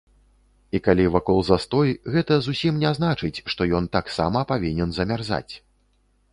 І калі вакол застой, гэта зусім не значыць, што ён таксама павінен замярзаць.